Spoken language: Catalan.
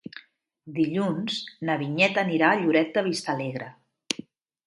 Dilluns na Vinyet anirà a Lloret de Vistalegre.